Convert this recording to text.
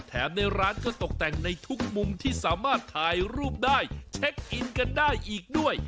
ในร้านก็ตกแต่งในทุกมุมที่สามารถถ่ายรูปได้เช็คอินกันได้อีกด้วย